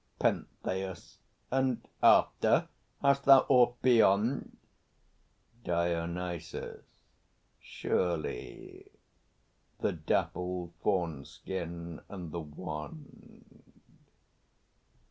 PENTHEUS. And after? Hast thou aught beyond? DIONYSUS. Surely; the dappled fawn skin and the wand.